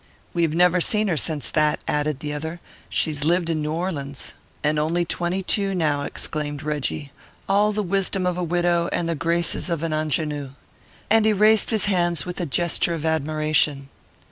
"We have never seen her since that," added the other. "She has lived in New Orleans." "And only twenty two now," exclaimed Reggie. "All the wisdom of a widow and the graces of an ingénue!" And he raised his hands with a gesture of admiration.